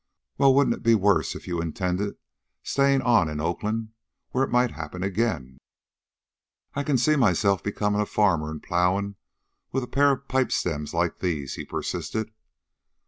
"Well, wouldn't it be worse if you intended staying on in Oakland where it might happen again?" "I can see myself becomin' a farmer an' plowin' with a pair of pipe stems like these," he persisted.